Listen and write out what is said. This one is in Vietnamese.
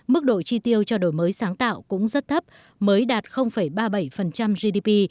mức độ chi tiêu cho đổi mới sáng tạo cũng rất thấp mới đạt ba mươi bảy gdp